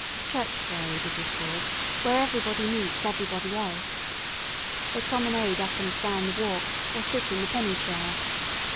"Church Parade" it is called; where everybody meets everybody else. They promenade up and down the walks or sit in the "penny" chairs.